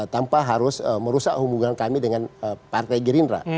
tanpa harus merusak hubungan kami dengan partai gerindra